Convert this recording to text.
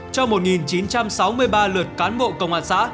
cho một chín trăm sáu mươi ba lượt cán bộ công an xã